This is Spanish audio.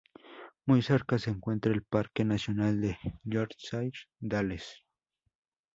Muy cerca se encuentra el parque nacional de Yorkshire Dales.